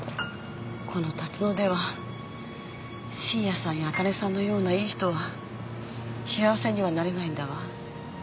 この龍野では信也さんやあかねさんのようないい人は幸せにはなれないんだわ。